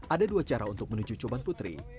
ada dua cara untuk menuju coban putri